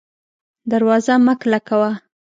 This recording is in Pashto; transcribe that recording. دروازه مه کلکه وه